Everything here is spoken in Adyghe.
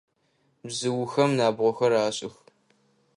Бзыухэм набгъохэр ашӏых.